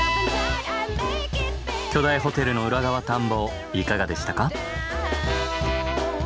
巨大ホテルの裏側探訪いかがでしたか？